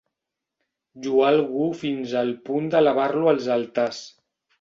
Lloà algú fins al punt d'elevar-lo als altars.